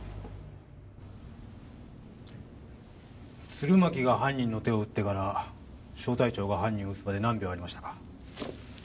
鶴巻が犯人の手を撃ってから小隊長が犯人を撃つまで何秒ありましたか？